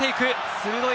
鋭い。